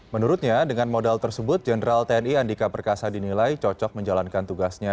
menurutnya dengan modal tersebut jenderal tni andika perkasa dinilai cocok menjalankan tugasnya